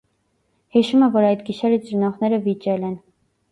Հիշում է, որ այդ գիշեր իր ծնողները վիճել են։